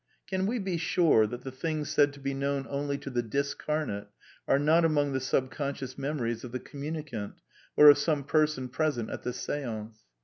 Can we be sure that the things said to be known only to the discamate are not among the subconscious memories of the communicant or of some person present at the seance